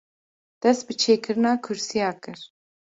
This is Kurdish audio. dest bi çêkirina kursîya kir